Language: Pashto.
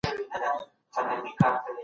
په سړکونو او لیکو کې یې ګوري.